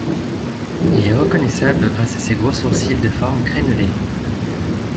Il est reconnaissable grâce à ses gros sourcils de forme crénelés.